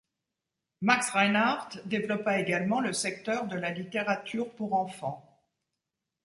Max Reinhardt développa également le secteur de la littérature pour enfants.